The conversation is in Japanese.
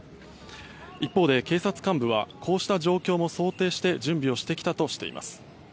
一方で警察幹部はこうした状況も想定して準備をしてきたとしています。